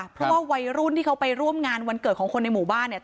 เพราะว่าวัยรุ่นที่เขาไปร่วมงานวันเกิดของคนในหมู่บ้านเนี่ย